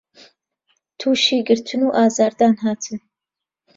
تووشی گرتن و ئازار دان هاتن